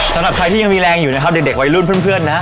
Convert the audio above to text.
สำหรับใครที่ยังมีแรงอยู่นะครับเด็กวัยรุ่นเพื่อนนะ